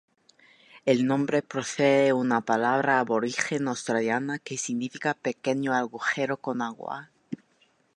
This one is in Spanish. El nombre procede de una palabra aborigen australiana que significa "pequeño agujero con agua".